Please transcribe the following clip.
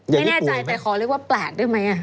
ไม่แน่ใจแต่ขอเรียกว่าแปลกได้ไหม